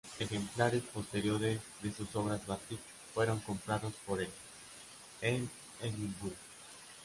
Ejemplares posteriores de sus obras batik, fueron comprados por el en Edimburgo.